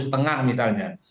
a satu setengah misalnya